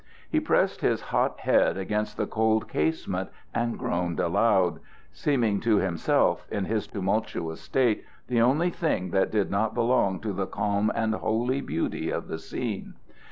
He pressed his hot head against the cold casement and groaned aloud, seeming to himself, in his tumultuous state, the only thing that did not belong to the calm and holy beauty of the scene.